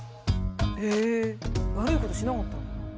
へえ悪いことしなかったのかな。